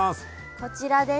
こちらです。